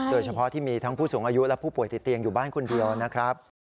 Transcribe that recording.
โดยเฉพาะที่มีทั้งผู้สูงอายุและผู้ป่วยติดเตียงอยู่บ้านคนเดียวนะครับ